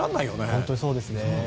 本当にそうですね。